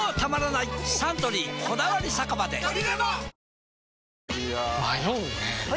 いや迷うねはい！